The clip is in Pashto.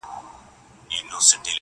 فقط شکل مو بدل دی د دامونو!